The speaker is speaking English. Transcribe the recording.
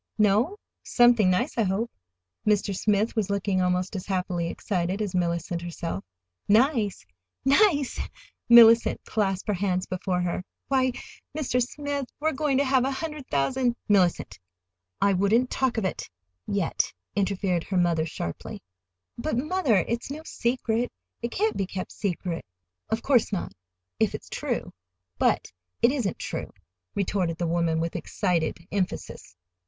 "No? Something nice, I hope." Mr. Smith was looking almost as happily excited as Mellicent herself. "Nice—NICE!" Mellicent clasped her hands before her. "Why, Mr. Smith, we are going to have a hundred thousand—" "Mellicent, I wouldn't talk of it—yet," interfered her mother sharply. "But, mother, it's no secret. It can't be kept secret!" "Of course not—if it's true. But it isn't true," retorted the woman, with excited emphasis.